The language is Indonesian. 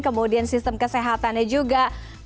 kemudian sistem kesehatannya juga